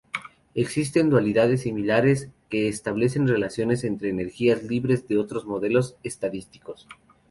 Existen dualidades similares que establecen relaciones entre energías libres de otros modelos estadísticos.